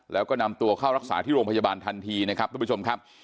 แล้วก็นำตัวเข้ารักษาที่โรงพยาบาลทันทีนะครับทุกผู้ชมครับ